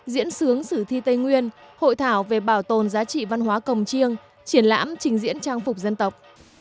diễn sướng sử thi tây nguyên hội thảo về bảo tồn giá trị văn hóa cổng chiêng triển lãm trình diễn trang phục dân tộc